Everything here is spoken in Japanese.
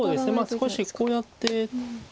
少しこうやって。